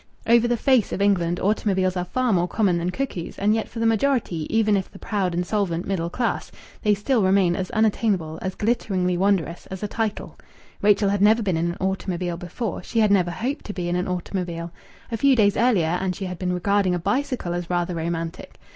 Over the face of England automobiles are far more common than cuckoos, and yet for the majority, even of the proud and solvent middle class, they still remain as unattainable, as glitteringly wondrous, as a title. Rachel had never been in an automobile before; she had never hoped to be in an automobile. A few days earlier, and she had been regarding a bicycle as rather romantic!